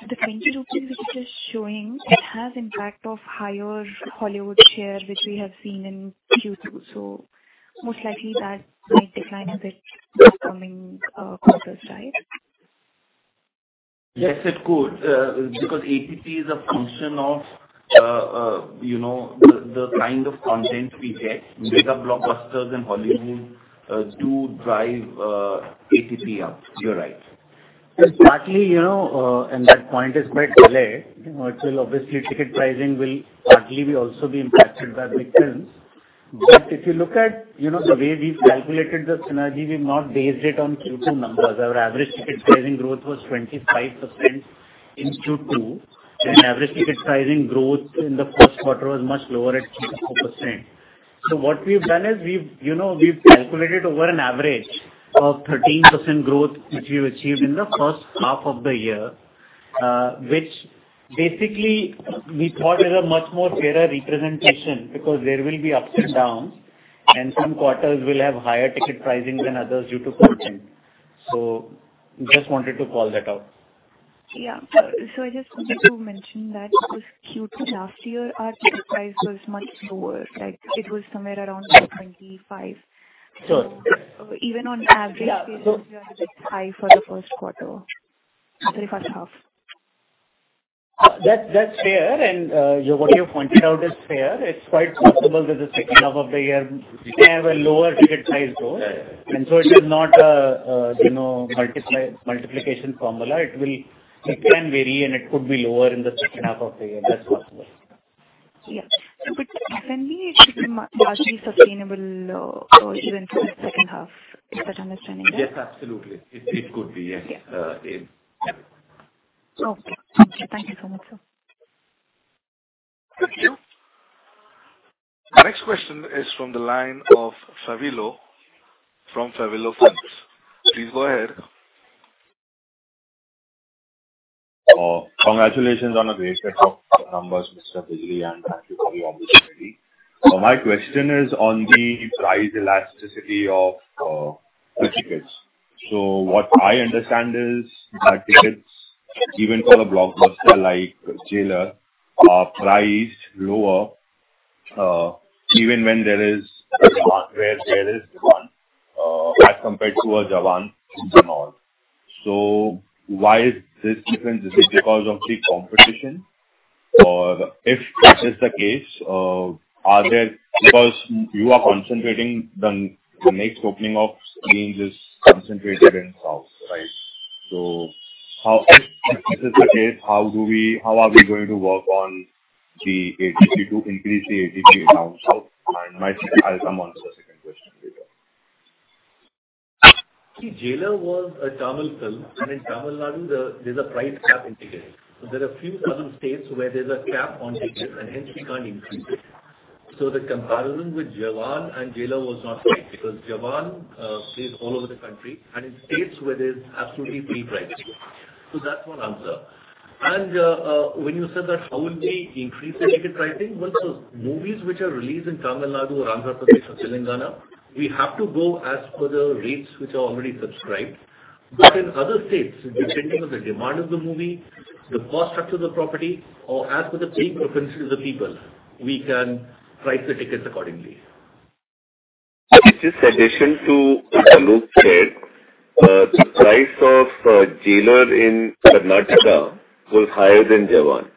Speaker 17: the Rs. 20 which is showing it has impact of higher Hollywood share, which we have seen in Q2. So most likely that might decline a bit in the coming, quarters, right?
Speaker 6: Yes, it could, because ATP is a function of, you know, the kind of content we get. Bigger blockbusters in Hollywood do drive ATP up. You're right.
Speaker 5: Partly, you know, and that point is quite valid. You know, it will obviously, ticket pricing will partly be also be impacted by big films. But if you look at, you know, the way we've calculated the synergy, we've not based it on Q2 numbers. Our average ticket pricing growth was 25% in Q2, and average ticket pricing growth in the first quarter was much lower at 2%. So what we've done is, we've, you know, we've calculated over an average of 13% growth, which we've achieved in the first half of the year, which basically we thought is a much more fairer representation because there will be ups and downs, and some quarters will have higher ticket pricing than others due to content. So just wanted to call that out.
Speaker 17: Yeah. So I just wanted to mention that because Q2 last year, our ticket price was much lower, like it was somewhere around 25.
Speaker 16: Sure.
Speaker 17: Even on average, high for the first quarter, sorry, first half.
Speaker 16: That, that's fair, and, what you've pointed out is fair. It's quite possible that the second half of the year, we may have a lower ticket price growth. And so it is not a, you know, multiply, multiplication formula. It can vary, and it could be lower in the second half of the year. That's possible.
Speaker 17: Yeah. But can we keep it largely sustainable, even for the second half? Is that understanding right?
Speaker 6: Yes, absolutely. It could be, yes, it.
Speaker 17: Okay. Thank you so much, sir.
Speaker 1: Thank you. Our next question is from the line of Favilo from Favilo Funds. Please go ahead.
Speaker 18: Congratulations on a great set of numbers, Mr. Bijli, and thank you for the opportunity. So my question is on the price elasticity of the tickets. So what I understand is that tickets, even for a blockbuster like Jailer, are priced lower, even when there is demand, where there is demand, as compared to a Jawan and all. So why is this different? Is it because of the competition? Or if that is the case, are there because you are concentrating the next opening of screens is concentrated in South, right? So how, if this is the case, how are we going to work on the ATP to increase the ATP down south? And I'll come on to the second question later.
Speaker 10: See, Jailer was a Tamil film, and in Tamil Nadu, there, there's a price cap in tickets. There are a few southern states where there's a cap on tickets, and hence we can't increase it. So the comparison with Jawan and Jailer was not right, because Jawan plays all over the country and in states where there's absolutely free pricing. So that's one answer. And when you said that, how would we increase the ticket pricing? Once those movies which are released in Tamil Nadu or Andhra Pradesh or Telangana, we have to go as per the rates which are already subscribed. But in other states, depending on the demand of the movie, the cost structure of the property, or as per the paying capacity of the people, we can price the tickets accordingly.
Speaker 5: Just addition to what Alok said, the price of Jailer in Karnataka was higher than Jawan.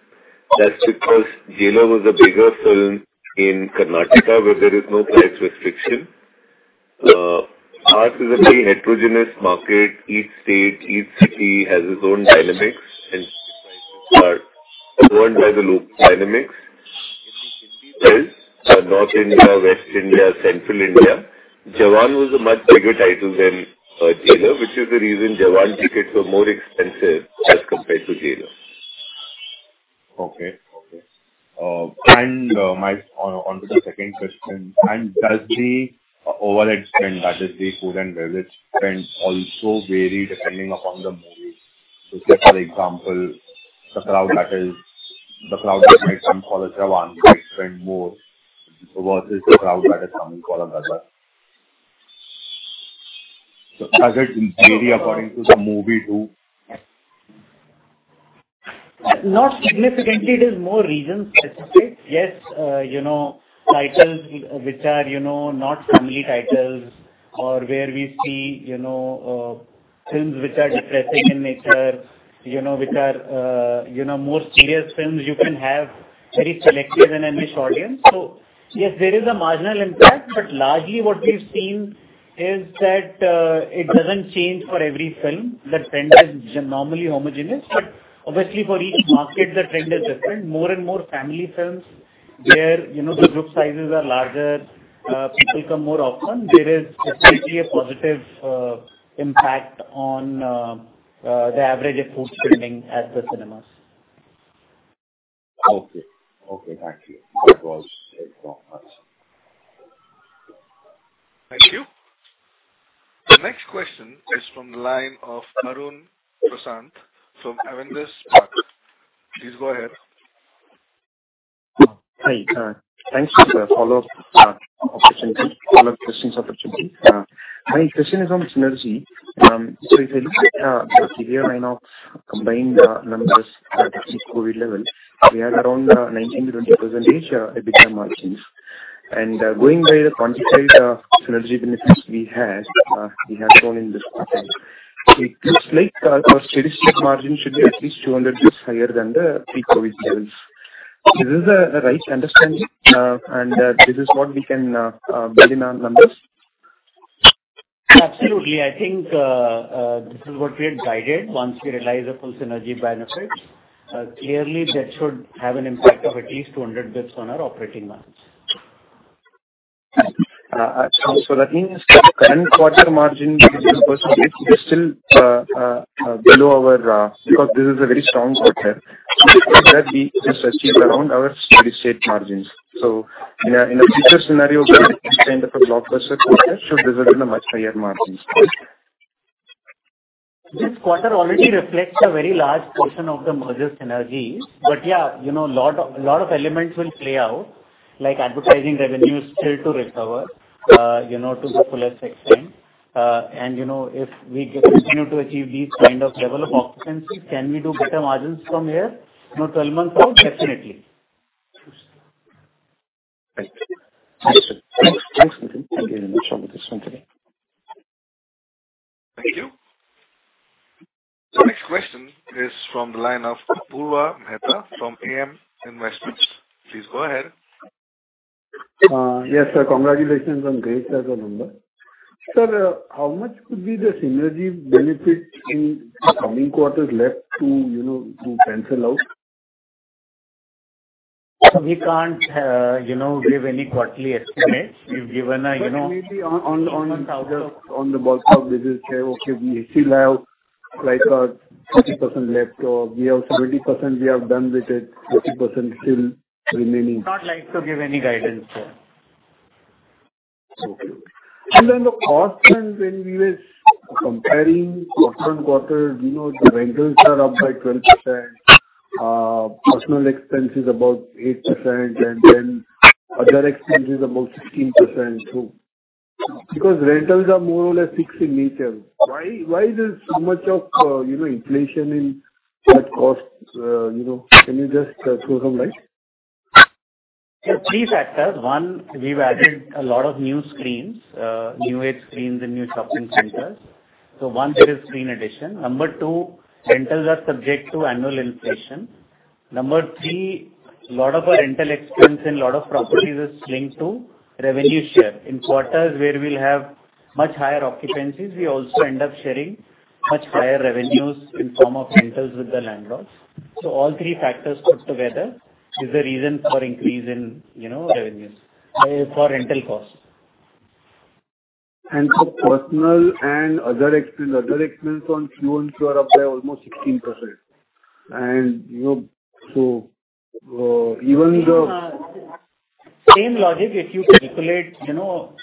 Speaker 5: That's because Jailer was a bigger film in Karnataka, where there is no price restriction. Ours is a very heterogeneous market. Each state, each city has its own dynamics and are governed by the local dynamics. Well, North India, West India, Central India, Jawan was a much bigger title than Jailer, which is the reason Jawan tickets were more expensive as compared to Jailer.
Speaker 18: Okay. On to the second question, does the overhead spend, that is, the food and beverage spend, also vary depending upon the movie? So, for example, the crowd that might come for a Jawan might spend more versus the crowd that is coming for another. So has it really according to the movie too?
Speaker 5: Not significantly, it is more region specific. Yes, you know, titles which are, you know, not family titles or where we see, you know, films which are depressing in nature, you know, which are, you know, more serious films, you can have very selective and niche audience. So yes, there is a marginal impact, but largely what we've seen is that, it doesn't change for every film. The trend is normally homogeneous, but obviously for each market, the trend is different. More and more family films where, you know, the group sizes are larger, people come more often. There is definitely a positive impact on the average food spending at the cinemas.
Speaker 18: Okay. Okay, thank you. That was it from us.
Speaker 1: Thank you. The next question is from the line of Arun Prasath from Avendus Spark. Please go ahead.
Speaker 9: Hi, thanks for the follow-up opportunity, follow-up questions opportunity. My question is on synergy. So if you look at the previous line of combined numbers at this COVID level, we had around 19%-20% EBITDA margins. And going by the quantified synergy benefits we had, we have shown in this quarter, it looks like our steady-state margin should be at least 200 basis points higher than the pre-COVID levels. Is this a right understanding? And this is what we can build in our numbers?
Speaker 5: Absolutely. I think this is what we had guided once we realize the full synergy benefits. Clearly, that should have an impact of at least 200 basis points on our operating margins.
Speaker 9: So that means the end quarter margin is still below our because this is a very strong quarter that we just achieved around our steady-state margins. So in a future scenario, kind of a blockbuster quarter should result in a much higher margins.
Speaker 5: This quarter already reflects a very large portion of the merger synergies. But yeah, you know, a lot of, a lot of elements will play out, like advertising revenue is still to recover, you know, to the fullest extent. And, you know, if we continue to achieve these kind of level of occupancies, can we do better margins from here? You know, 12 months out, definitely.
Speaker 9: Thank you. Thanks for the discussion today.
Speaker 1: Thank you. The next question is from the line of Apurva Mehta from AM Investments. Please go ahead.
Speaker 19: Yes, sir. Congratulations on great set of numbers. Sir, how much could be the synergy benefits in the coming quarters left to, you know, to cancel out?
Speaker 5: We can't, you know, give any quarterly estimates. We've given a, you know-
Speaker 19: But maybe on the bulk of business, say, okay, we still have like 30% left, or we have 70% we have done with it, 30% still remaining.
Speaker 5: Not like to give any guidance, sir.
Speaker 19: Okay. And then the cost trend when we is comparing quarter-on-quarter, you know, the rentals are up by 12%, personnel expense is about 8%, and then other expense is about 16%, too. Because rentals are more or less fixed in nature, why, why is there so much of, you know, inflation in such costs? You know, can you just throw some light?
Speaker 5: So three factors. One, we've added a lot of new screens, new eight screens and new shopping centers. So one, there is screen addition. Number two, rentals are subject to annual inflation. Number three, a lot of our rental expense and a lot of properties is linked to revenue share. In quarters where we'll have much higher occupancies, we also end up sharing much higher revenues in form of rentals with the landlords. So all three factors put together is the reason for increase in, you know, revenues, for rental costs.
Speaker 19: For personal and other expense, other expense on fuel are up by almost 16%. And, you know, so, even the-
Speaker 5: Same logic, if you calculate, you know,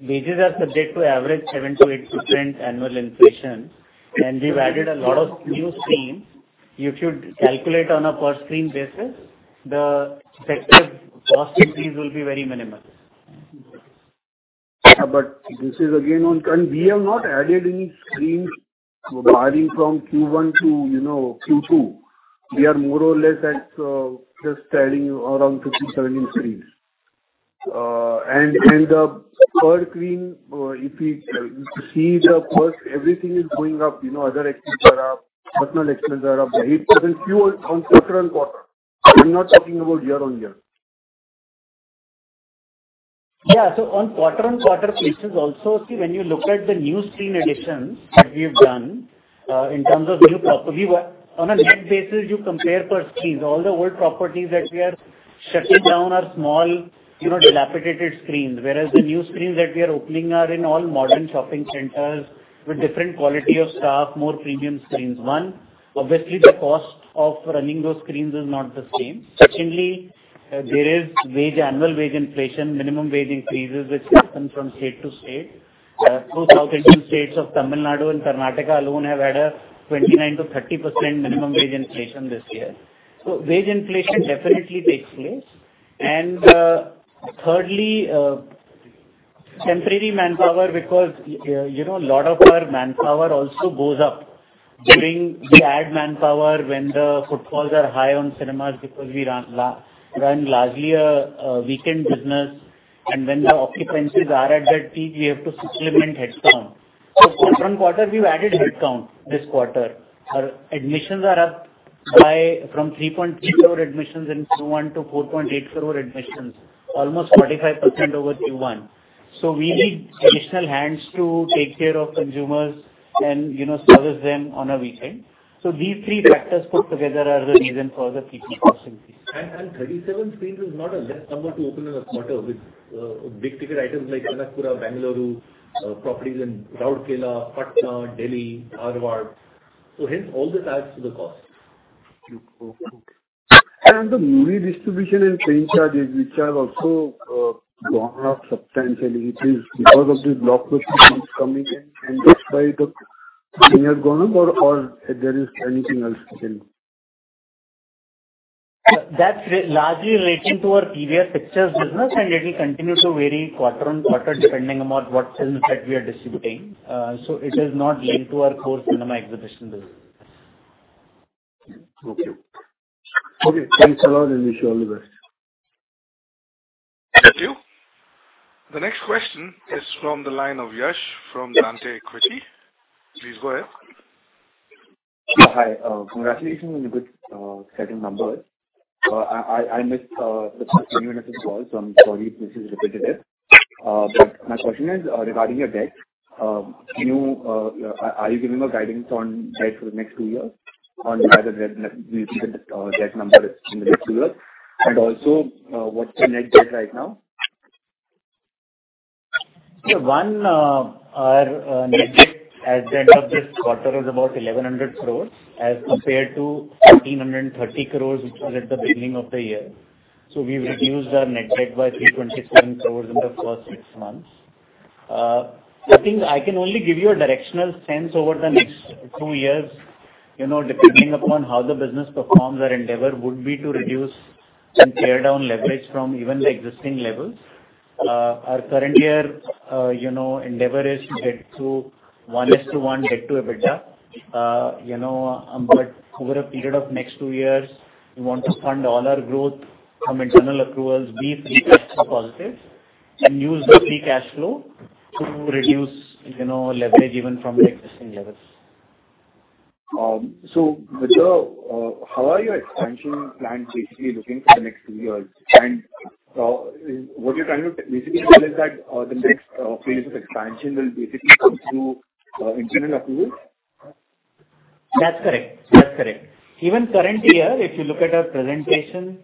Speaker 5: wages are subject to average 7%-8% annual inflation, and we've added a lot of new screens. You should calculate on a per screen basis, the effective cost increase will be very minimal.
Speaker 19: But this is again on... We have not added any screens barring from Q1 to, you know, Q2. We are more or less at just adding around 57 screens. And the per screen, if you see the first, everything is going up, you know, other expenses are up, personnel expenses are up by 8%, fuel on quarter-on-quarter. We're not talking about year-on-year.
Speaker 5: Yeah. So on quarter-on-quarter basis also, see, when you look at the new screen additions that we've done, in terms of new property, on a net basis, you compare per screens. All the old properties that we are shutting down are small, you know, dilapidated screens. Whereas the new screens that we are opening are in all modern shopping centers with different quality of staff, more premium screens. One, obviously the cost of running those screens is not the same. Secondly, there is wage, annual wage inflation, minimum wage increases, which happen from state to state. Two states of Tamil Nadu and Karnataka alone have had a 29%-30% minimum wage inflation this year. So wage inflation definitely takes place. Thirdly, temporary manpower, because, you know, a lot of our manpower also goes up during the add manpower, when the footfalls are high on cinemas, because we run largely a weekend business, and when the occupancies are at their peak, we have to supplement headcount. So for one quarter, we've added headcount this quarter. Our admissions are up by from 3.3 crore admissions in Q1 to 4.8 crore admissions, almost 45% over Q1. So we need additional hands to take care of consumers and, you know, service them on a weekend. So these three factors put together are the reason for the people cost increase.
Speaker 10: 37 screens is not a less number to open in a quarter with big ticket items like Kanakapura, Bengaluru properties in Rourkela, Patna, Delhi, Dharwad, so hence all this add to the cost.
Speaker 19: The movie distribution and screen charges, which have also gone up substantially, it is because of this blockbuster which is coming in, and that's why the thing has gone up, or there is anything else again?
Speaker 5: That's largely related to our PVR Pictures business, and it will continue to vary quarter-on-quarter, depending upon what films that we are distributing. So it is not linked to our core cinema exhibition business.
Speaker 19: Okay. Okay, thanks a lot, and wish you all the best.
Speaker 1: Thank you. The next question is from the line of Yash from Dante Equity. Please go ahead.
Speaker 20: Hi, congratulations on the good set of numbers. I missed the first few minutes of the call, so I'm sorry if this is repetitive. But my question is regarding your debt. Can you... Are you giving a guidance on debt for the next two years? On how the debt number is in the next two years. And also, what's the net debt right now?
Speaker 5: So, one, our net debt at the end of this quarter is about 1,100 crore, as compared to 1,330 crore, which was at the beginning of the year. So we've reduced our net debt by 327 crore in the first six months. I think I can only give you a directional sense over the next two years. You know, depending upon how the business performs, our endeavor would be to reduce and tear down leverage from even the existing levels. Our current year, you know, endeavor is to get to 1x to 1 debt to EBITDA. You know, but over a period of next two years, we want to fund all our growth from internal accruals, be free cash flow positive, and use the free cash flow to reduce, you know, leverage even from the existing levels.
Speaker 20: So with the how are your expansion plans basically looking for the next two years? What you're trying to basically tell us that the next phase of expansion will basically come through internal accruals?
Speaker 5: That's correct. That's correct. Even current year, if you look at our presentation,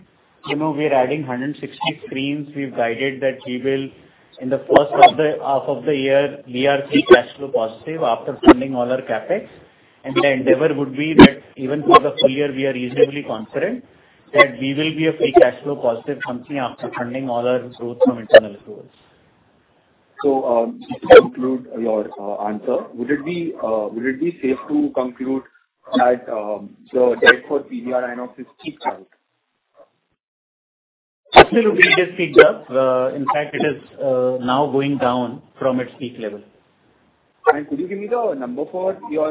Speaker 5: you know, we are adding 160 screens. We've guided that we will, in the first half of the year, we are free cash flow positive after funding all our CapEx. And the endeavor would be that even for the full year, we are reasonably confident that we will be a free cash flow positive company after funding all our growth from internal sources.
Speaker 20: To conclude your answer, would it be safe to conclude that the debt for PVR INOX is peaked out?
Speaker 5: Absolutely, it has peaked up. In fact, it is now going down from its peak level.
Speaker 20: Could you give me the number for your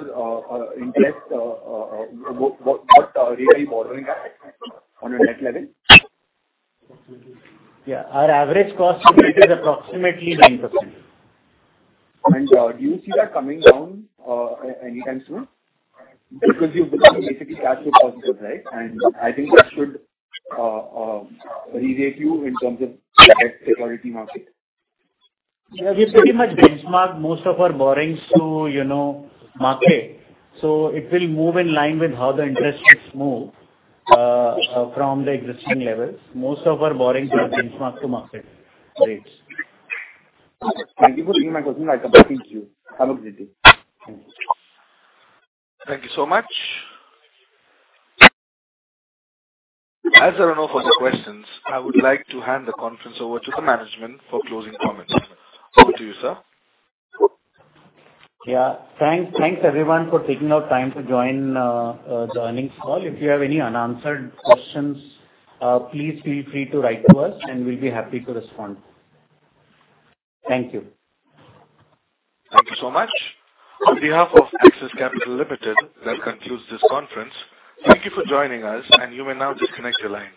Speaker 20: interest, what really borrowing at, on a net level?
Speaker 5: Yeah. Our average cost to date is approximately 9%.
Speaker 20: Do you see that coming down anytime soon? Because you've become basically cash flow positive, right? I think that should alleviate you in terms of the security market.
Speaker 5: Yeah, we pretty much benchmark most of our borrowings to, you know, market. So it will move in line with how the interest rates move from the existing levels. Most of our borrowings are benchmarked to market rates.
Speaker 20: Thank you for taking my question. I appreciate you. Have a good day.
Speaker 1: Thank you so much. As there are no further questions, I would like to hand the conference over to the management for closing comments. Over to you, sir.
Speaker 5: Yeah. Thank, thanks everyone for taking out time to join, the earnings call. If you have any unanswered questions, please feel free to write to us, and we'll be happy to respond. Thank you.
Speaker 1: Thank you so much. On behalf of Axis Capital Limited, that concludes this conference. Thank you for joining us, and you may now disconnect your line.